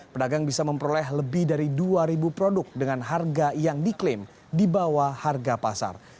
pedagang bisa memperoleh lebih dari dua ribu produk dengan harga yang diklaim di bawah harga pasar